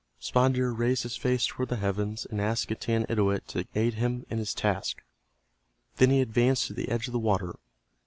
Spotted Deer raised his face toward the heavens, and asked Getanittowit to aid him in his task. Then he advanced to the edge of the water.